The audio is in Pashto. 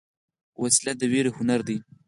وسله د ویرې هنر ده